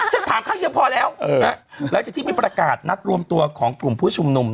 หลายที่ไปประกาศนัดรวมตัวของกลุ่มผู้ชุมนุม